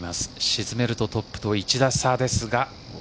沈めるとトップと１打差ですが。